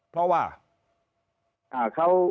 เพราะว่า